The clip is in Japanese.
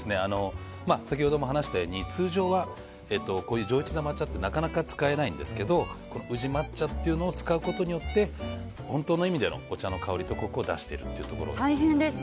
先ほども話したように通常は上質な抹茶ってなかなか使えないんですけど宇治抹茶を使うことによって本当の意味でのお茶の香りとコクを出しているというところです。